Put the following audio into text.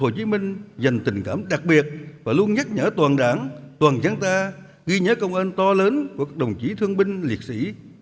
hồ chí minh dành tình cảm đặc biệt và luôn nhắc nhở toàn đảng toàn dân ta ghi nhớ công ơn to lớn của các đồng chí thương binh liệt sĩ